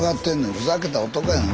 ふざけた男やん。